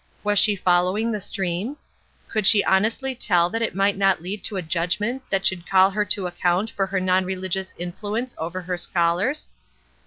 Was she following the stream? Could she honestly tell that it might not lead to a judgment that should call her to account for her non religious influence over her scholars?